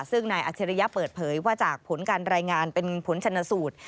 ซึ่งนายอัจฉริยะเปิดเผยว่าจากผลการรายงานเป็นผลชนสูตร